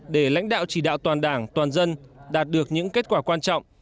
để lãnh đạo chỉ đạo toàn đảng toàn dân đạt được những kết quả quan trọng